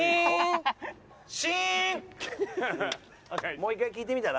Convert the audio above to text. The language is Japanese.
もう一回聞いてみたら？